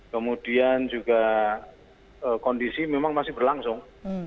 kemudian juga kondisi memang masih berlangsung